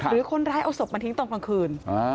หรือคนร้ายเอาศพมาทิ้งตอนกลางคืน